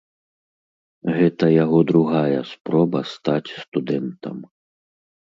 Гэта яго другая спроба стаць студэнтам.